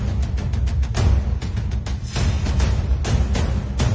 แต่ก็ไม่รู้ว่าจะมีใครอยู่ข้างหลัง